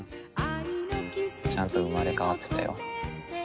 ちゃんと生まれ変わってたよ。